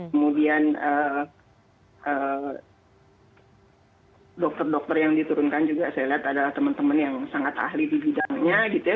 kemudian dokter dokter yang diturunkan juga saya lihat adalah teman teman yang sangat ahli di bidangnya gitu ya